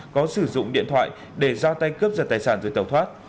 có sử dụng điện thoại để giao tay cướp giật tài sản rồi tàu thoát